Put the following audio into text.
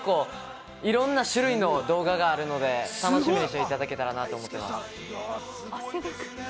いろんな種類の動画があるので楽しみにしていただけたらなと思います。